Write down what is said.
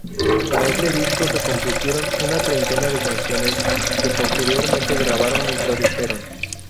Para este disco se compusieron una treintena de canciones, que posteriormente grabaron y produjeron.